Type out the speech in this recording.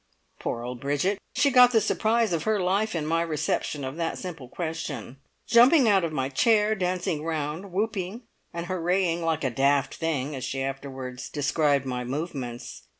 Poor old Bridget! She got the surprise of her life in my reception of that simple question. Jumping out of my chair, dancing round, whooping and hurraying "like a daft thing," as she afterwards described my movements.